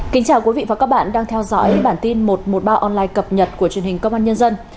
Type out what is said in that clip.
kính chào quý vị và các bạn đang theo dõi bản tin một trăm một mươi ba online cập nhật của truyền hình công an nhân dân